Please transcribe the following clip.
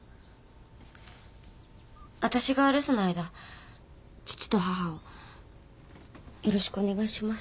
わたしが留守の間父と母をよろしくお願いします。